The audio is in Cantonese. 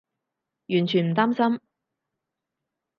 完全唔擔心